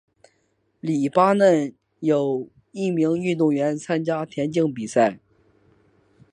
黎巴嫩有一名运动员参加田径比赛。